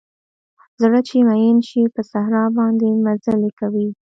زړه چې مئین شي په صحرا باندې مزلې کوي